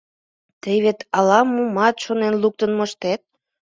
Тый вет ала-момат шонен луктын моштет.